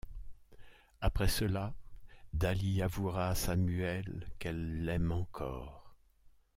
Après cela Dalie avouera à Samuel qu'elle l'aime encore.